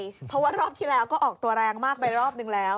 เพราะว่ารอบที่แล้วก็ออกตัวแรงมากไปรอบนึงแล้ว